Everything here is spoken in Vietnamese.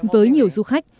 với nhiều du khách